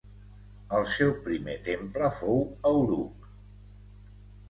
El seu primer temple fou a Uruk.